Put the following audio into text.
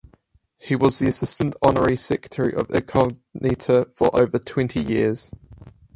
He was the assistant honorary secretary of Incogniti for over twenty years.